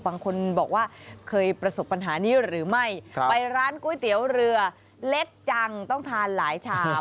บางคนบอกว่าเคยประสบปัญหานี้หรือไม่ไปร้านก๋วยเตี๋ยวเรือเล็กจังต้องทานหลายชาม